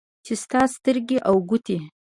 چې ستا سترګې او ګوټې